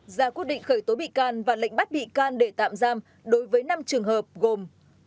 ra quyết định khởi tố bị can và lệnh bắt bị can để tạm giam đối với năm trường hợp gồm